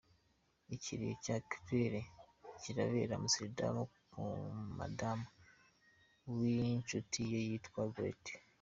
Ikiriyo cya Claire kirabera Amsterdam ku mudamu w’incuti ye witwa Goretti.